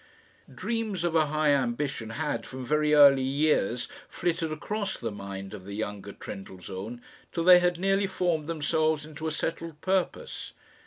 Dreams of a high ambition had, from very early years, flitted across the mind of the younger Trendellsohn till they had nearly formed themselves into a settled purpose.